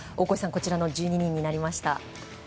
こちらの１２人になりました。